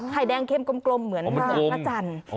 ไข่แดงเข้มกลมเหมือนพระจันทร์